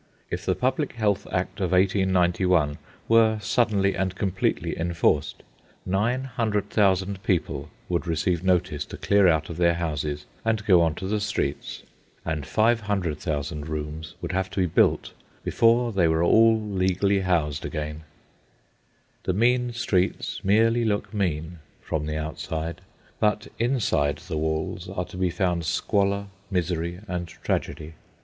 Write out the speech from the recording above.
If the Public Health Act of 1891 were suddenly and completely enforced, 900,000 people would receive notice to clear out of their houses and go on to the streets, and 500,000 rooms would have to be built before they were all legally housed again. The mean streets merely look mean from the outside, but inside the walls are to be found squalor, misery, and tragedy.